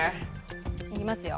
いきますよ。